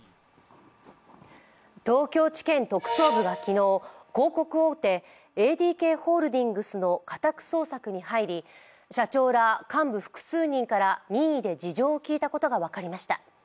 東京地検特捜部は昨日、広告大手ＡＤＫホールディングスの家宅捜索に入り社長ら幹部複数人から任意で事情を聴いたことが分かりました。